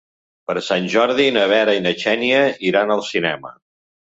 Per Sant Jordi na Vera i na Xènia iran al cinema.